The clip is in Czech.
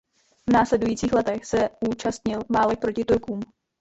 V následujících letech se účastnil válek proti Turkům.